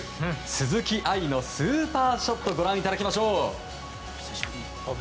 鈴木愛のスーパーショットご覧いただきましょう。